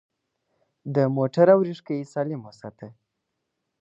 د موټر اورېښکۍ سالم وساته.